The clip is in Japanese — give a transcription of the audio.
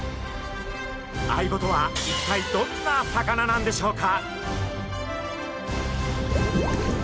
アイゴとは一体どんな魚なんでしょうか？